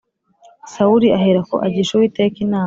sawuli aherako agisha uwiteka inama